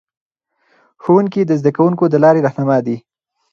ښوونکي د زده کوونکو د لارې رهنما دي.